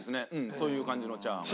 そういう感じのチャーハンが。